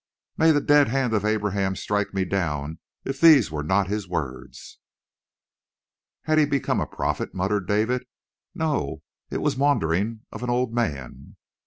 "May the dead hand of Abraham strike me down if these were not his words." "Had he become a prophet?" muttered David. "No, it was maundering of an old man."